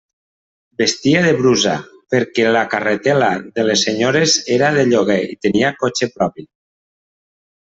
Vestia de brusa, perquè la carretel·la de les senyores era de lloguer i tenia cotxer propi.